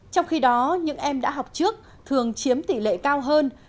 trong khi đó những em đã học trước thường chiếm tỷ lệ cao hơn